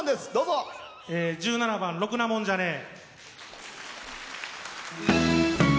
１７番「ろくなもんじゃねえ」。